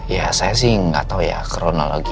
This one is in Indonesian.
ya saya sih gak tau ya kronologi